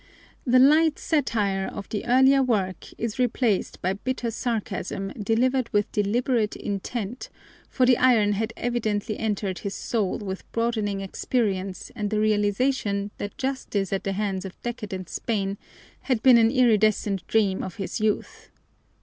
The light satire of the earlier work is replaced by bitter sarcasm delivered with deliberate intent, for the iron had evidently entered his soul with broadening experience and the realization that justice at the hands of decadent Spain had been an iridescent dream of his youth.